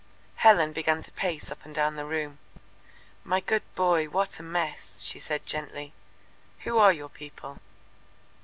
Helen began to pace up and down the room. "My good boy, what a mess!" she said gently. "Who are your people?"